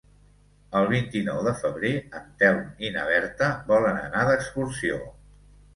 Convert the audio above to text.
El vint-i-nou de febrer en Telm i na Berta volen anar d'excursió.